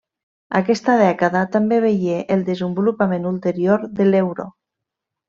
Aquesta dècada també veié el desenvolupament ulterior de l'euro.